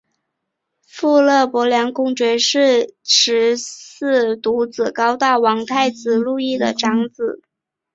父亲勃艮地公爵是路易十四独子高大的王太子路易的长子。